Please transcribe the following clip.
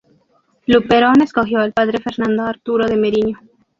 Luperón escogió al padre Fernando Arturo de Meriño.